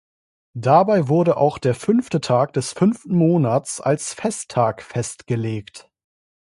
Dabei wurde auch der fünfte Tag des fünften Monats als Festtag festgelegt.